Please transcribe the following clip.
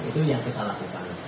itu yang kita lakukan